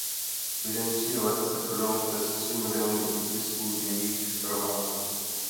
Během tří let se prodalo přes tři miliony výtisků jejích románů.